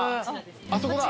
あそこだ。